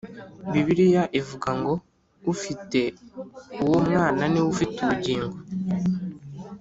Bibiliya ivuga ngo "Ufite uwo Mwana niwe ufite ubugingo."